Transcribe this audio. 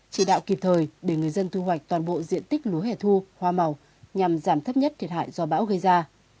chỉ đạo kịp thời để người dân thu hoạch toàn bộ diện tích lúa hẻ thu hoa màu nhằm giảm thấp nhất thiệt hại do bão gây ra